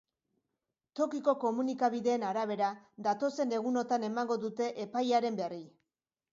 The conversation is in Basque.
Tokiko komunikabideen arabera, datozen egunotan emango dute epaiaren berri.